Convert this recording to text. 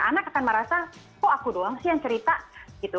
anak akan merasa kok aku doang sih yang cerita gitu